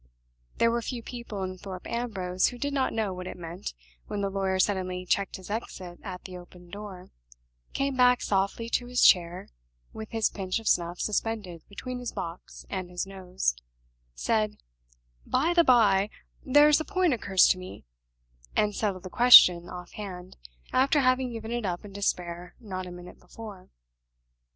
There were few people in Thorpe Ambrose who did not know what it meant when the lawyer suddenly checked his exit at the opened door; came back softly to his chair, with his pinch of snuff suspended between his box and his nose; said, "By the by, there's a point occurs to me;" and settled the question off hand, after having given it up in despair not a minute before.